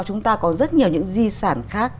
chúng ta có rất nhiều những di sản khác